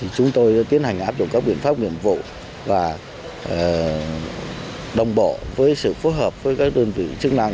chúng tôi tiến hành áp dụng các biện pháp nhiệm vụ và đồng bộ với sự phối hợp với các đơn vị chức năng